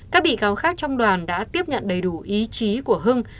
các bị cáo khác trong đoàn đã tiếp nhận đầy đủ ý chí của hưng